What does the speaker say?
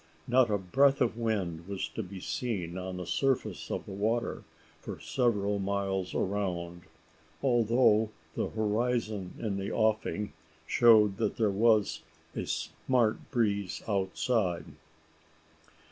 Not a breath of wind was to be seen on the surface of the water for several miles round, although the horizon in the offing showed that there was a smart breeze outside.